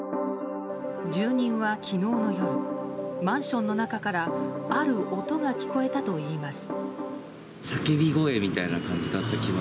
住人は、昨日の夜マンションの中からある音が聞こえたといいます。